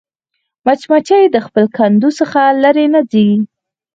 مچمچۍ د خپل کندو څخه لیرې نه ځي